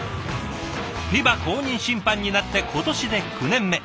ＦＩＢＡ公認審判になって今年で９年目。